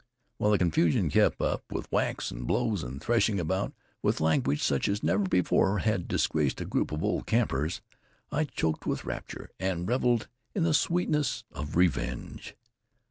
While the confusion kept up, with whacks and blows and threshing about, with language such as never before had disgraced a group of old campers, I choked with rapture, and reveled in the sweetness of revenge.